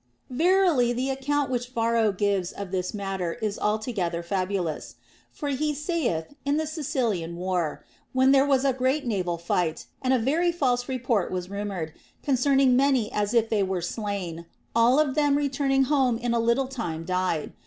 Verily the account which Varro gives of this matter is altogether fabulous. For he saith, in the Sicilian war, when there was a great naval fight, and a very false report was rumored concerning many as if they were slain, all of them returning home in a little time died.